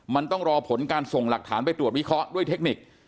มันต้องรอผลการส่งหลักฐานไปตรวจวิเคราะห์ด้วยเทคนิค